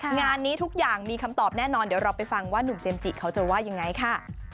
งานนี้ทุกอย่างมีคำตอบแน่นอนเดี๋ยวเราไปฟังว่าหนุ่มเจมส์จิเขาจะว่ายังไงค่ะ